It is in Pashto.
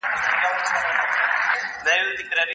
زما تر لحده به آواز د مرغکیو راځي